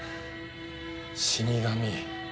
死神。